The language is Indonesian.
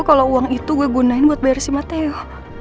kalau uang itu gue gunain buat bayar si mateo